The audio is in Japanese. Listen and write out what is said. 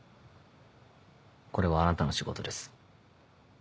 これはあなたの仕事です。